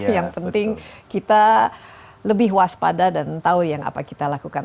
yang penting kita lebih waspada dan tahu yang apa kita lakukan